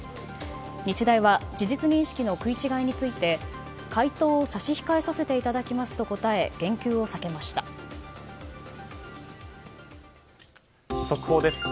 日大は事実認識の食い違いについて回答を差し控えさせていただきますと速報です。